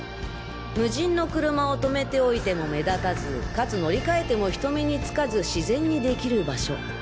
無人の車を停めておいても目立たず且つ乗り換えても人目につかず自然にできる場所。